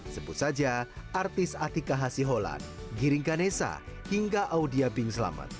sebut saja artis atika hasiholat giringkanesa hingga audia bingselamat